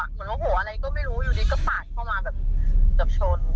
เหมือนเหมาะหัวอะไรก็ไม่รู้อยู่นี้ก็ปาดเข้ามาแบบเกือบชน